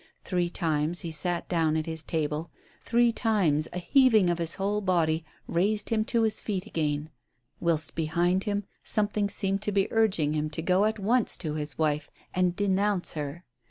Three times he sat down at his table, three times a heaving of his whole body raised him to his feet again; whilst, behind him, something seemed to be urging him to go at once to his wife and denounce her.